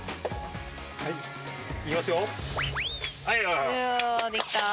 はいいきますよ！